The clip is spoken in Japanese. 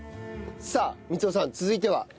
さあ光夫さん続いては？